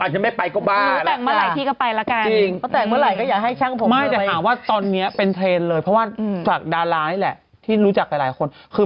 บ้างไหมถ้ามานี้เป็นเครนเลยเพราะว่าตอนนี้ดาราร์นี่แหละที่รู้จักกับหลายคนคือ